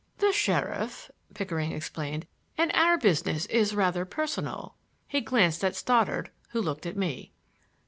"The sheriff," Pickering explained, "and our business is rather personal—" He glanced at Stoddard, who looked at me.